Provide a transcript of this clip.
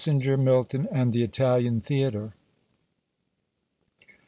MASSINGER, MILTON, AND THE ITALIAN THEATRE.